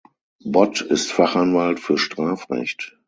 Bott ist Fachanwalt für Strafrecht.